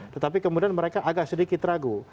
tetapi kemudian mereka agak sedikit ragu